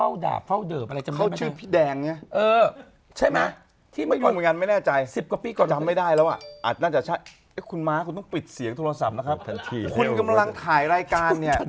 ว่าจริงเหรออายุนายก็เป็นคนออสเตรเลียนะคะ